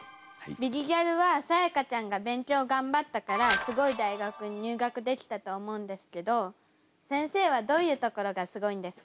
「ビリギャル」はさやかちゃんが勉強頑張ったからすごい大学に入学できたと思うんですけど先生はどういうところがすごいんですか？